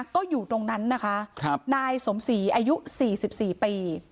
ก็อยู่ตรงนั้นนะคะครับนายสมศรีอายุสี่สิบสี่ปี